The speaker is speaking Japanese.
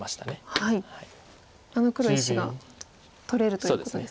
あの黒１子が取れるということですね。